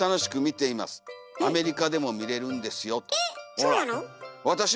そうなの？